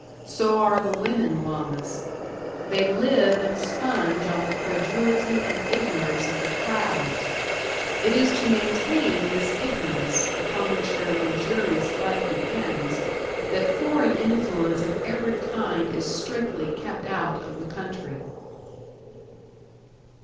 So are the women Lamas. They live and sponge on the credulity and ignorance of the crowds; it is to maintain this ignorance, upon which their luxurious life depends, that foreign influence of every kind is strictly kept out of the country.